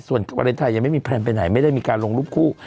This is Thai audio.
ส่วนวาเลนไทยยังไม่มีแพลนไปไหนไม่ได้มีการลงรูปคู่